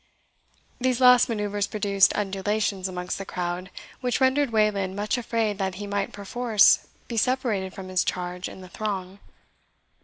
These last manoeuvres produced undulations amongst the crowd, which rendered Wayland much afraid that he might perforce be separated from his charge in the throng.